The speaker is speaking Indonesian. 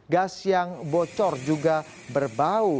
gas yang bocor juga berbau